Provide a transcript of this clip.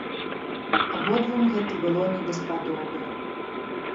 Абодвум гэта было не даспадобы.